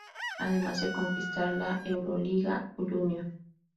Además de conquistar la Euroliga Junior.